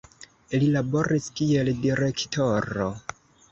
Li laboris kiel direktoro.